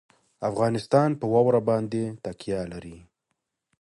افغانستان په واوره باندې تکیه لري.